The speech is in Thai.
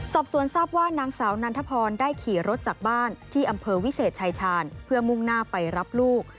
สอบสวนทราบว่านางสาวนันทพรได้ขี่รถจากบ้านที่อำเภอวิเศษชายชาญเพื่อมุ่งหน้าไปรับลูก